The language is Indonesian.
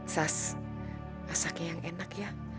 sas masaknya yang enak ya